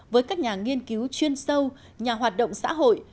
với các nhà nghiên cứu chuyên sâu nhà hoạt động xã hội